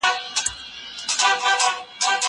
کېدای سي تکړښت ستړی وي!؟